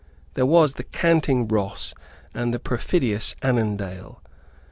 There was the canting Ross and the perfidious Annandale.